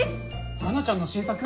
花ちゃんの新作？